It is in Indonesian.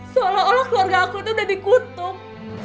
seolah olah keluarga aku tuh udah dikutuk